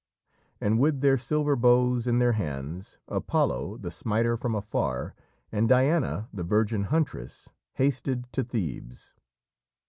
And with their silver bows in their hands, Apollo, the smiter from afar, and Diana, the virgin huntress, hasted to Thebes.